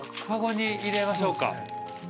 カゴに入れましょうか。